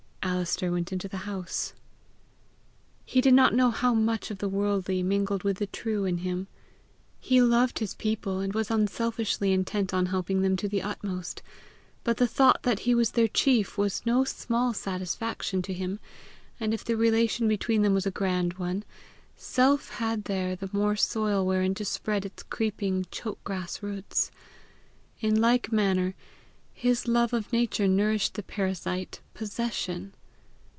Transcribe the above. Alister went into the house. He did not know how much of the worldly mingled with the true in him. He loved his people, and was unselfishly intent on helping them to the utmost; but the thought that he was their chief was no small satisfaction to him; and if the relation between them was a grand one, self had there the more soil wherein to spread its creeping choke grass roots. In like manner, his love of nature nourished the parasite possession.